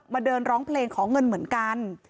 เดินร้องเพลงขอเงินเหมือนกัน